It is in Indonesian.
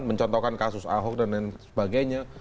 mencontohkan kasus ahok dan lain sebagainya